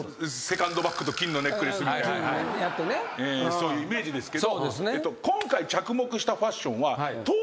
そういうイメージですけど。